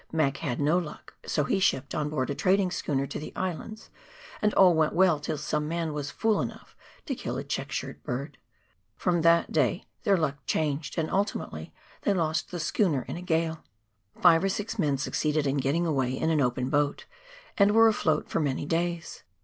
Mac had no luck, so he shipped on board a trading schooner to the Islands, and all went well till some man "was fool enough" to kill a check shirt bird. From that day their luck changed, and ultimately they lost the schooner in a gale. Five or six men succeeded in getting away in an open boat, and were afloat for many days.